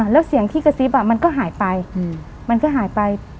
แล้วเสียงที่กระซิบมันก็หายไป